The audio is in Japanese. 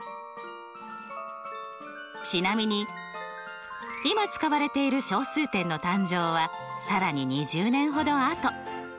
ちなみに今使われている小数点の誕生は更に２０年ほどあと。